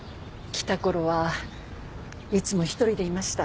来た頃はいつも一人でいました。